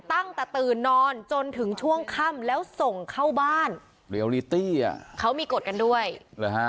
ตั้งตะตืนนอนจนถึงช่วงค่ำแล้วส่งเข้าบ้านเขามีกฎกันด้วยหรือฮะ